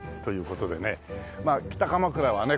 まあ北鎌倉はね